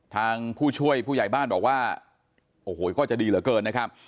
ทางผู้ช่วยผู้ใหญ่บ้านบอกว่าโอ้โหก็จะดีเหลือเกินนะครับ